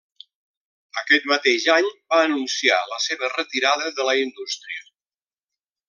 Aquest mateix any va anunciar la seva retirada de la indústria.